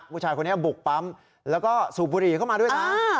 ผู้ชายคนนี้บุกปั๊มแล้วก็สูบบุหรี่เข้ามาด้วยนะ